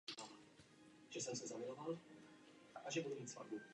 Zasahování ze strany Evropského parlamentu je v této oblasti nepřípustné.